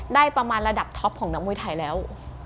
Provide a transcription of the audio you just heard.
ได้ประมาณระดับท็อปของนักมวยไทยแล้ว